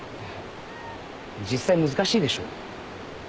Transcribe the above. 実際難しいでしょ？